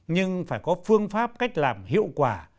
nhưng phải có phương pháp cách làm hiệu quả